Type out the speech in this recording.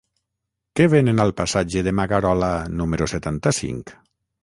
Què venen al passatge de Magarola número setanta-cinc?